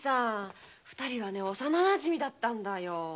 二人は幼なじみだったんだよ。